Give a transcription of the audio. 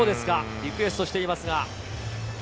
リクエストをしていますが。